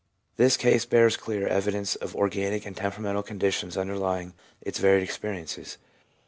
This case bears clear evidence of organic and temperamental conditions under lying its varied experiences.